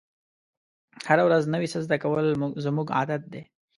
هره ورځ نوی څه زده کول زموږ عادت دی.